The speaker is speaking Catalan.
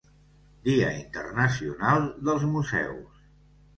Dia Internacional dels Museus.